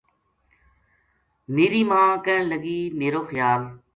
میری ماں کہن لگی ” میرو خیال